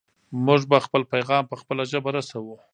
موږ به خپل پیغام په خپله ژبه رسوو.